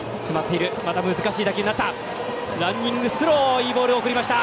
いいボール、送りました。